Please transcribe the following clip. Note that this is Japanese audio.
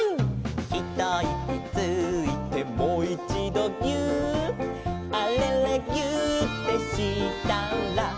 「ひといきついてもいちどぎゅーっ」「あれれぎゅーってしたら」